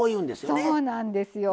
そうなんですよ。